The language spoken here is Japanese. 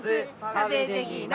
食べでぎな！」